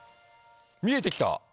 見えてきた！